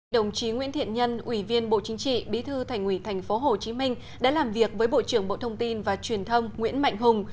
đồng chí nguyễn thiện nhân ủy viên bộ chính trị bí thư thành ủy tp hcm đã làm việc với bộ trưởng bộ thông tin và truyền thông nguyễn mạnh hùng